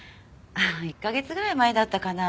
あっ１カ月ぐらい前だったかな？